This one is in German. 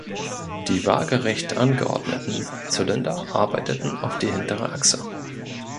Die waagerecht angeordneten Zylinder arbeiteten auf die hintere Achse.